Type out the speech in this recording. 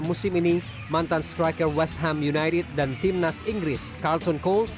musim ini mantan striker west ham united dan timnas inggris carlton cole